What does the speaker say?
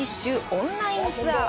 オンラインツアー